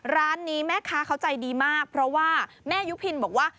ร้านนี้แม่ค้าเขาใจดีมากเพราะว่าแม่ยุพินบอกว่า